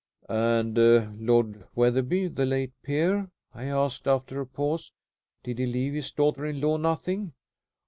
"And Lord Wetherby, the late peer," I asked, after a pause, "did he leave his daughter in law nothing?"